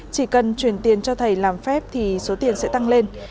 chỉ cần chuyển tiền cho thầy làm phép thì số tiền sẽ tăng lên